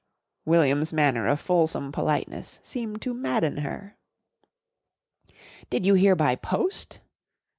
William's manner of fulsome politeness seemed to madden her. "Did you hear by post?"